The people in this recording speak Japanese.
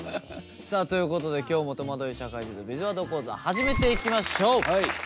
さあということで今日も「とまどい社会人のビズワード講座」始めていきましょう。